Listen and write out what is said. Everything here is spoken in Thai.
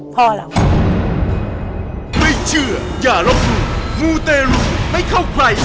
พ่อเรา